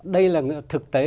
đây là thực tế